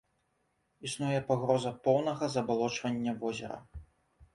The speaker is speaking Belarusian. Існуе пагроза поўнага забалочвання возера.